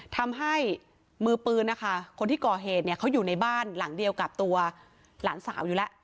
ทำให้มือปืนนะคะคนที่ก่อเหตุเนี่ยเขาอยู่ในบ้านหลังเดียวกับตัวหลานสาวอยู่แล้ว